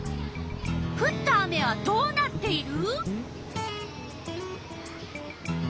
ふった雨はどうなっている？